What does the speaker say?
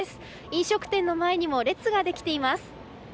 飲食店の前にも列ができています。